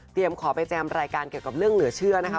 ขอไปแจมรายการเกี่ยวกับเรื่องเหลือเชื่อนะคะ